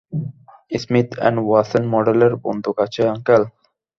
Smith and Wesson মডেলের বন্দুক আছে, আংকেল।